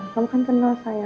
kamu kan kenal saya